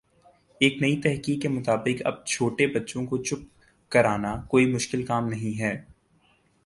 ایک نئی تحقیق کے مطابق اب چھوٹے بچوں کو چپ کر آنا کوئی مشکل کام نہیں ہے